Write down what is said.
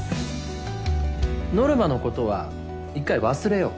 ノルマのことは１回忘れよう。